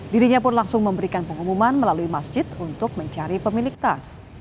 dirinya pun langsung memberikan pengumuman melalui masjid untuk mencari pemilik tas